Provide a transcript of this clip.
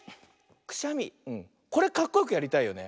くしゃみこれかっこよくやりたいよね。